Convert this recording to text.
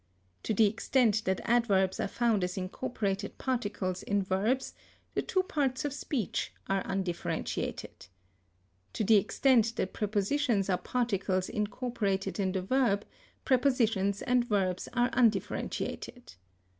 To the extent that adverbs are found as incorporated particles in verbs, the two parts of speech are undifferentiated. To the extent that prepositions are particles incorporated in the verb, prepositions and verbs are undifferentiated.